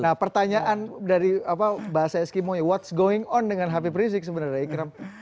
nah pertanyaan dari bahasa eskimo what's going on dengan habib rizik sebenarnya ikram